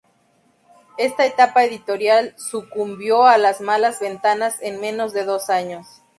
Esta etapa editorial sucumbió a las malas ventas en menos de dos años.